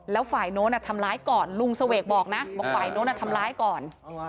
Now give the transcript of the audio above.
แล้วฝ่ายโน้นทำร้ายก่อนลุงเสวกบอกนะบอกฝ่ายโน้นทำร้ายก่อน